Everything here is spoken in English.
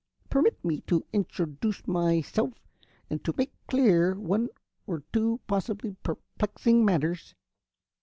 Permit me to introduce myself, and to make clear one or two possibly perplexing matters.